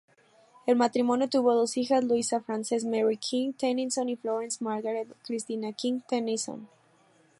El matrimonio tuvo dos hijas Louisa Frances Mary King-Tenison y Florence Margaret Christina King-Tenison.